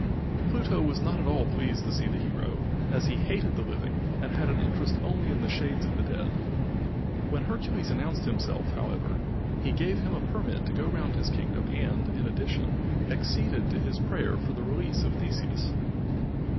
Pluto was not at all pleased to see the hero, as he hated the living and had interest only in the shades of the dead. When Hercules announced himself, however, he gave him a permit to go round his kingdom and, in addition, acceded to his prayer for the release of Theseus.